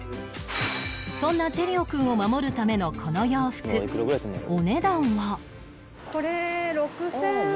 そんなチェリオくんを守るためのこの洋服お値段は？